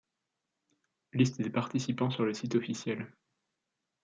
Liste des participants sur le site officiel.